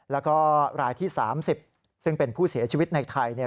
แล้วก็รายที่๓๐ซึ่งเป็นผู้เสียชีวิตในไทยเนี่ย